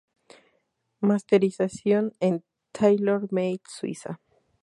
Masterización en Tailor Maid, Suecia.